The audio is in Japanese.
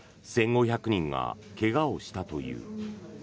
１５００人が怪我をしたという。